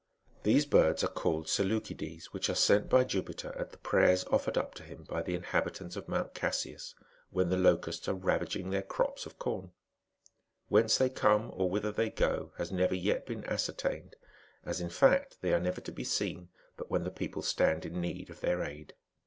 Those birds are called seleucides, which are sent by Jupiter at the prayers ofi'ered up to him by the inhabitants of Mount Casius,^^ when the locusts are ravaging their crops of com. Whence they^'^ come, or whither they go, has never yet been ascertained, as, in fact, they are never to be seen but when the people stand in need of their aid.